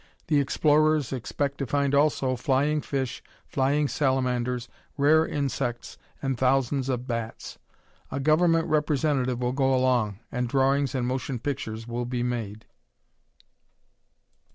The explorers expect to find also flying fish, flying salamanders, rare insects and thousands of bats. A Government representative will go along, and drawings and motion pictures will be made.